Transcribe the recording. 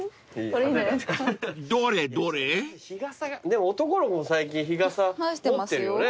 でも男の子も最近日傘持ってるよね。